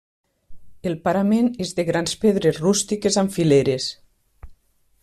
El parament és de grans pedres rústiques amb fileres.